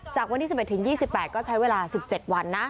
จากวันที่๑๑๒๘ก็ใช้เวลา๑๗วันนะ